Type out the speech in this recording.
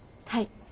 はい。